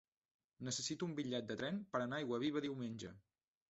Necessito un bitllet de tren per anar a Aiguaviva diumenge.